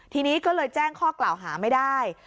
ทีนี้ก็เลยแจ้งข้อกล่าวหาไม่ได้